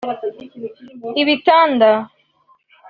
ibitanda